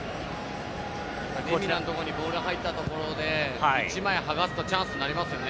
レミナのところにボールが入ったところで１枚剥がすとチャンスになりますよね。